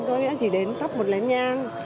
tôi nghĩ chỉ đến tắp một lén nhang